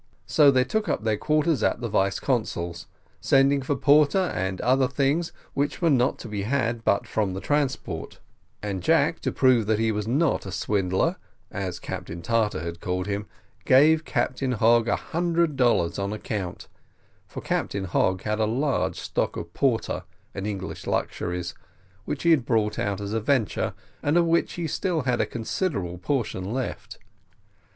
So they took up their quarters at the vice consul's, sending for porter and other things which were not to be had but from the transport; and Jack, to prove that he was not a swindler, as Captain Tartar had called him, gave Captain Hogg a hundred dollars on account, for Captain Hogg had a large stock of porter and English luxuries, which he had brought out as a venture, and of which he had still a considerable portion left.